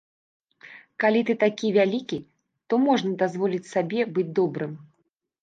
Калі ты такі вялікі, то можна дазволіць сабе быць добрым.